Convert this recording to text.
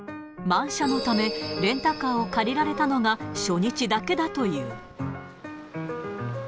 満車のため、レンタカーを借りられたのが初日だけだという。